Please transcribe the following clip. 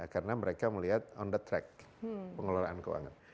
karena mereka melihat on the track pengelolaan keuangan